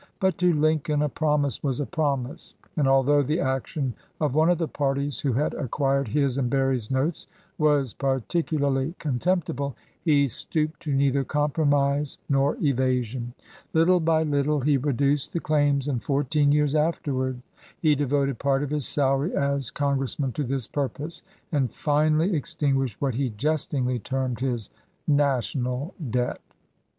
But to Lincoln a promise was a promise, and although the action of one of the parties who had acquired his and Berry's notes was particularly contemptible, he stooped to neither compromise nor evasion. Little by little he reduced the claims, and fourteen years afterward he devoted part of his salary as con gressman to this purpose, and finally extin guished what he jestingly termed his "national debt."